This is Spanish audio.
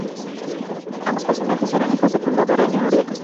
Ambos personajes eran hijos de la fundadora, Leonor de Castilla.